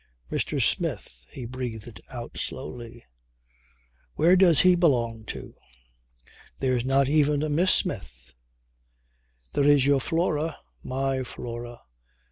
"Mr. Smith," he breathed out slowly. "Where does he belong to? There's not even a Miss Smith." "There is your Flora." "My Flora!